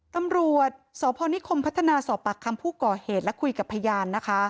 ตำรวจสพนิคมพัฒนาสอบปากคำผู้ก่อเหตุและคุยกับพยานนะคะ